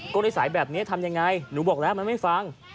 ก็นิสัยแบบนี้ทำยังไงหนูบอกแล้วมันไม่ฟัง